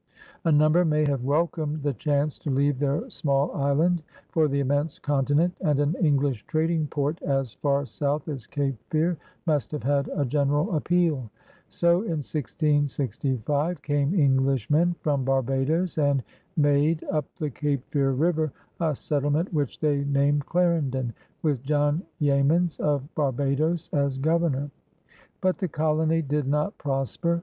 A number may have welcomed the chance to leave their small island for the inmiense continent; and an English trading port as far south as Cape Fear must have had a general appeal. So, in 1665, came Englishmen from Barbados and made, up the Cape Fear River, a settlement which they named Clarendon, with John Yeamans of Barbados as Governor. But the colony did not prosper.